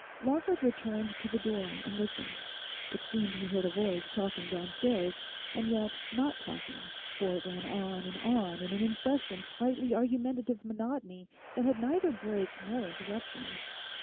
Lawford returned to the door and listened. It seemed he heard a voice talking downstairs, and yet not talking, for it ran on and on in an incessant slightly argumentative monotony that had neither break nor interruption.